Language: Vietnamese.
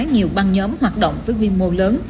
nhiều băng nhóm hoạt động với vi mô lớn